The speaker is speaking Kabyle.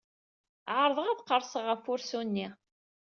Ɛeṛḍeɣ ad qerseɣ ɣef wursu-nni.